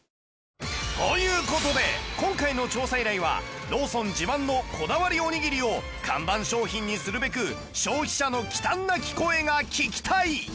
という事で今回の調査依頼はローソン自慢のこだわりおにぎりを看板商品にするべく消費者の忌憚なき声が聞きたい